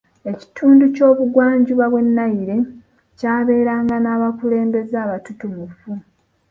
Ekitundu ky'obugwanjuba bwa Nile kyabeeranga n'abakulembeze abatutumufu.